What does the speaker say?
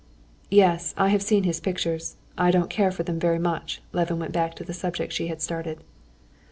"Yes, I have seen his pictures. I didn't care for them very much," Levin went back to the subject she had started.